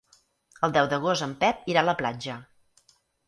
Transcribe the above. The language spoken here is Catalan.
El deu d'agost en Pep irà a la platja.